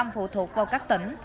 tám mươi năm phụ thuộc vào các tỉnh